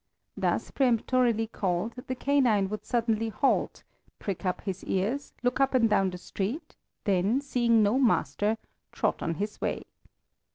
Thus peremptorily called, the canine would suddenly halt, prick up his ears, look up and down the street, then, seeing no master, trot on his way.